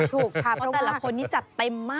ถูกค่ะเพราะแต่ละคนนี้จัดเต็มมาก